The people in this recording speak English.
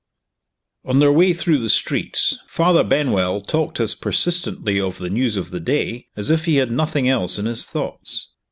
ON their way through the streets, Father Benwell talked as persistently of the news of the day as if he had nothing else in his thoughts.